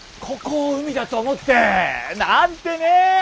ここを海だと思ってなんてね。